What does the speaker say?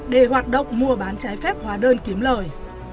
để hoạt động mua bán trái phép hóa đơn kiếm lời